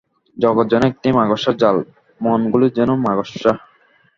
জগৎ যেন একটি মাকড়সার জাল, মনগুলি যেন মাকড়সা।